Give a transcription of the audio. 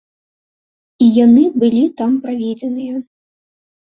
І яны былі там праведзеныя.